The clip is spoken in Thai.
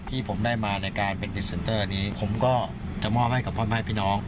ที่ผมได้มาในการเป็นพรีเซนเตอร์นี้ผมก็จะมอบให้กับพ่อแม่พี่น้อง